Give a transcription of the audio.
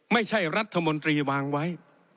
ไม่ใช่รัฐมนตรีวางไว้